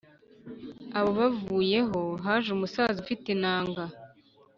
abo bavuyeho haje umusaza ufite inanga